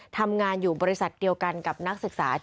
ทำงานอยู่บริษัทเดียวกันกับนักศึกษา